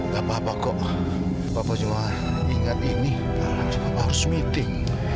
gak apa apa kok bapak cuma ingat ini bapak harus meeting